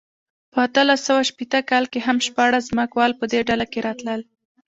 په اتلس سوه شپېته کال کې هم شپاړس ځمکوال په دې ډله کې راتلل.